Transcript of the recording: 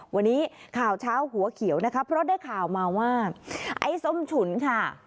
วันนี้ข่าวเช้าหัวเขียวนะคะเพราะได้ข่าวมาว่าไอ้ส้มฉุนค่ะ